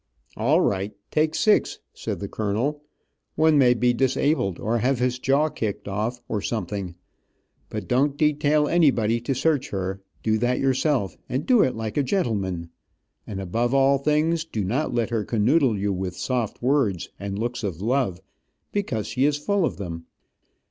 "All right, take six," said the colonel. "One may be disabled, or have his jaw kicked off, or something. But don't detail anybody to search her. Do that yourself, and do it like a gentleman. And above all things, do not let her kanoodle you with soft words and looks of love, because she is full of em.